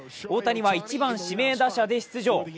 大谷は１番・指名打者で出場。